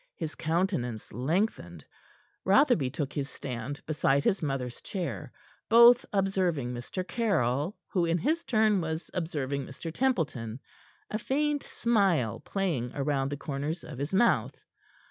His countenance lengthened. Rotherby took his stand beside his mother's chair, both observing Mr. Caryll, who, in his turn, was observing Mr. Templeton, a faint smile playing round the corners of his mouth.